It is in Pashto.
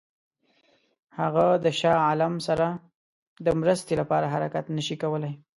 هغه د شاه عالم سره د مرستې لپاره حرکت نه شي کولای.